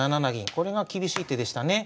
これが厳しい手でしたね。